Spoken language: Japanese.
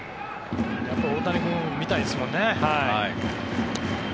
大谷君、見たいですもんね。